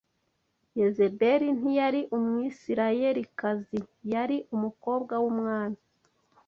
Yezebeli ntiyari Umwisirayelikazi Yari umukobwa w’umwami